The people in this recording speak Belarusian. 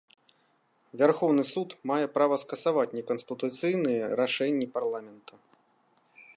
Вярхоўны суд мае права скасаваць неканстытуцыйныя рашэнні парламента.